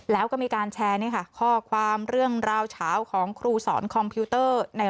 แล้วก็มีการแชร์นี่ค่ะข้อความเรื่องราวเฉาของครูสอนคอมพิวเตอร์